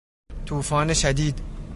توفان شدید